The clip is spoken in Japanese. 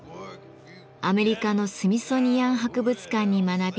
アメリカのスミソニアン博物館に学び